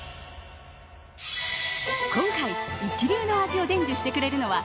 今回、一流の味を伝授してくれるのは